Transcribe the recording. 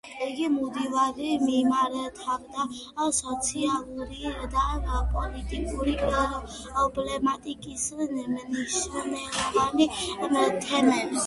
იგი მუდმივად მიმართავდა სოციალური და პოლიტიკური პრობლემატიკის მნიშვნელოვან თემებს.